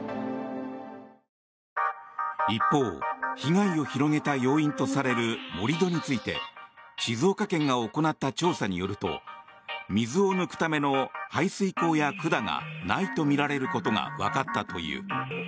一方、被害を広げた要因とされる盛り土について静岡県が行った調査によると水を抜くための排水溝や管がないとみられることがわかったという。